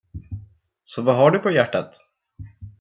Så vad har du på hjärtat?